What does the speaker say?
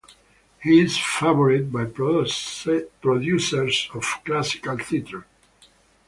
It is favoured by producers of classical theatre.